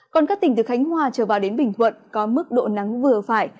còn các tỉnh từ khánh hòa trở vào đến bình thuận có mức độ nắng vừa phải